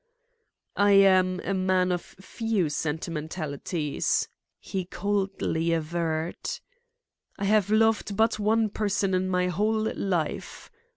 "I am a man of few sentimentalities," he coldly averred. "I have loved but one person in my whole life.